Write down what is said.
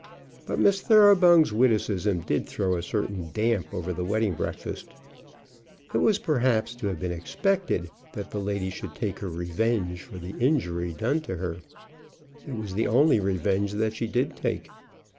But Miss Thoroughbung's witticism did throw a certain damp over the wedding breakfast. It was perhaps to have been expected that the lady should take her revenge for the injury done to her. It was the only revenge that she did take.